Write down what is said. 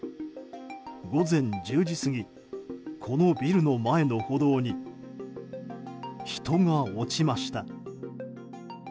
午前１０時過ぎこのビルの前の歩道に人が落ちました。